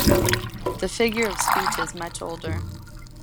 The figure of speech is much older.